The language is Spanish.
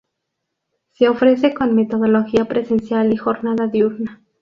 Se ofrece con metodología presencial y jornada diurna.